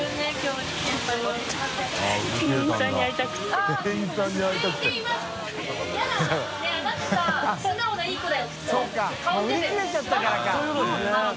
もう売り切れちゃったからか。